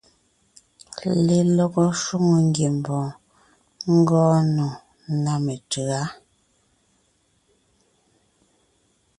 Lelɔgɔ shwòŋo ngiembɔɔn ngɔɔn nò ná metʉ̌a.